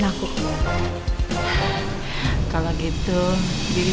aku akan kesana